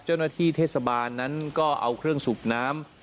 เจ้าหน้าที่เทศบาลนั้นก็เอาเครื่องสูบน้ำ